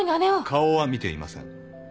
顔は見ていません。